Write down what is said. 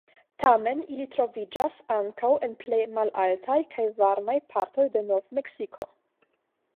Tamen ili troviĝas ankaŭ en plej malaltaj kaj varmaj partoj de Nov-Meksiko.